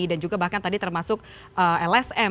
dan juga bahkan tadi termasuk lsm